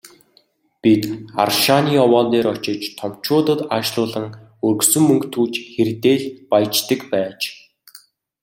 Бид рашааны овоон дээр очиж томчуудад аашлуулан, өргөсөн мөнгө түүж хэрдээ л «баяждаг» байж.